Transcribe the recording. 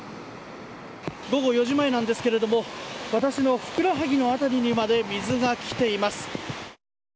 午後４時前なんですけれども私のふくらはぎの辺りにまで水が来ています。